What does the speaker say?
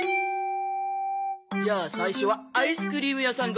じゃあ最初はアイスクリーム屋さん